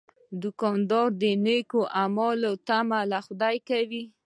دوکاندار د نیک عمل تمه له خدایه کوي.